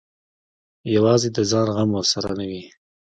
یوازې د ځان غم ورسره نه وي.